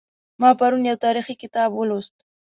ما پرون یو تاریخي کتاب ولوست